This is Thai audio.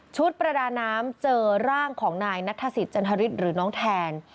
ประดาน้ำเจอร่างของนายนัทธศิษย์จันทริสหรือน้องแทน